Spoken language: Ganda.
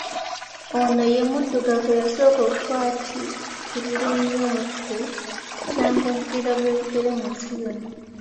Ono ye muddugavu eyasooka okwatiikirira ennyo mu kukyanga omupiira ogw’ebigere mu nsi yonna.